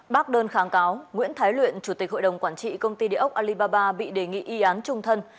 bác đơn kháng cáo nguyễn thái luyện chủ tịch hội đồng quản trị công ty địa ốc alibaba bị đề nghị y án trung thân